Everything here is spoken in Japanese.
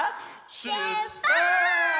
しゅっぱつ！